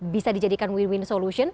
bisa dijadikan win win solution